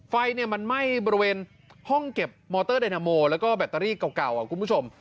ไฟมันไหม้บริเวณห้องเก็บมอเตอร์ไดนาโมแล้วก็แบตเตอรี่เก่าคุณผู้ชม